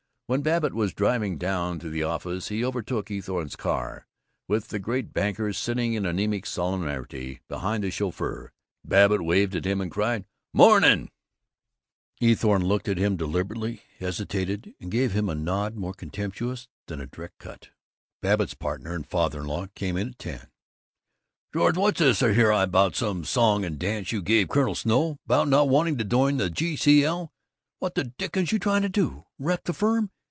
When Babbitt was driving down to the office he overtook Eathorne's car, with the great banker sitting in anemic solemnity behind his chauffeur. Babbitt waved and cried, "Mornin'!" Eathorne looked at him deliberately, hesitated, and gave him a nod more contemptuous than a direct cut. Babbitt's partner and father in law came in at ten: "George, what's this I hear about some song and dance you gave Colonel Snow about not wanting to join the G.C.L.? What the dickens you trying to do? Wreck the firm?